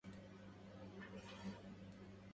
يا ابنة الإثم هذه شفتايا